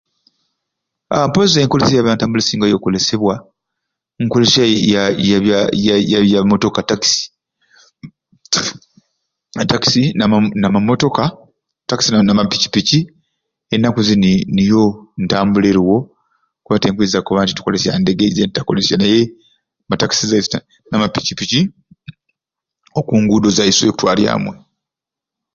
Aahh mpozi enkolesya yabyantambula ekusingayo okolesebwa nkolesya ya ya yabya ya yabya motoka takisi, etakisi nama namamotoka, takisi namapicipici enaku zini niyo ntambula eriwo kuba tinkwiza koba tukolesya ndeege zetutakolesya naye matakisi zaiswe namapiki okungudo zaiswe okutwarya amwei.